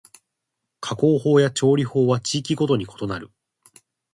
加工法や調理法は地域ごとに異なる